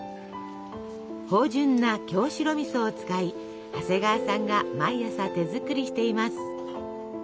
芳じゅんな京白みそを使い長谷川さんが毎朝手作りしています。